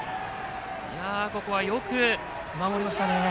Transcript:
ここはよく守りましたね。